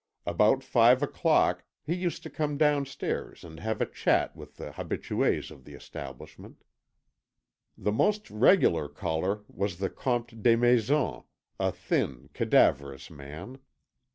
About five o'clock he used to come downstairs and have a chat with the habitués of the establishment. The most regular caller was the Comte Desmaisons, a thin, cadaverous man.